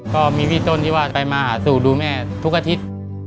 ก็มีพี่ต้นที่ว่าใครมาหาสู่ดูแม่ทุกอาทิตย์